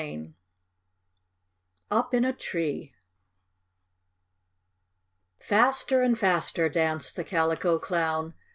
CHAPTER IV UP IN A TREE Faster and faster danced the Calico Clown.